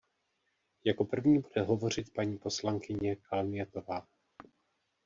Jako první bude hovořit paní poslankyně Kalnietová.